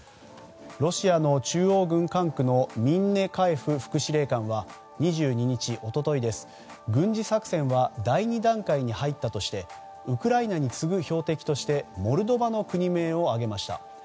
ロシアの中央軍管区のミンネカエフ副司令官は２２日、一昨日、軍事作戦は第２段階に入ったとしてウクライナに次ぐ標的としてモルドバの国名を挙げました。